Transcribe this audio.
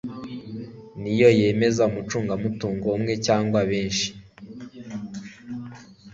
niyo yemeza umucungamutungo umwe cyangwa benshi